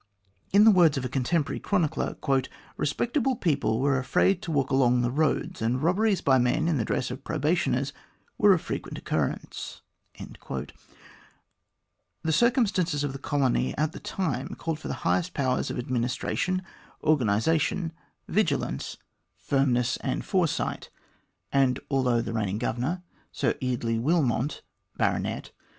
In the words of a contemporary chronicler :" Respect able people were afraid to walk along the roads, and robberies by men in the dress of probationers were of frequent occur rence." The circumstances of the colony at the time called for the highest powers of administration, organisation, vigi 150 A GRIEVOUS ERROR OF MR GLADSTONE'S 151 lance, firmness, and foresight; and, although the reigning Governor, Sir Eardley Wilmot, Bart.